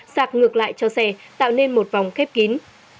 sạc ngược lại cho xe tạo nên một vòng khép kín